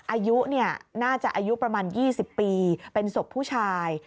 อายุน่าจะอายุประมาณ๒๐ปีเป็นศพผู้ชาย